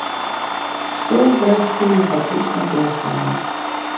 Што, зрэшты, фактычна тое самае.